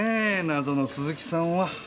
謎の鈴木さんは。